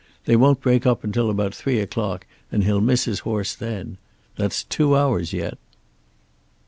They won't break up until about three o'clock and he'll miss his horse then. That's two hours yet."